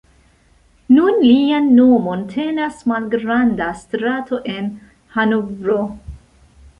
Nun lian nomon tenas malgranda strato en Hanovro.